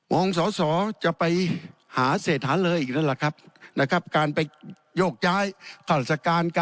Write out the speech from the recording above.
มองสวจะไปหาเศษหาเลยอีกนั้นแหละครับนะครับการไปโยกจ้ายธรรษการ